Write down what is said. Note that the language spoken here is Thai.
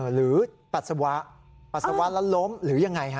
ปัสสาวะปัสสาวะแล้วล้มหรือยังไงฮะ